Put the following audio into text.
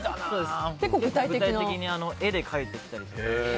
具体的に絵で描いてきたりとか。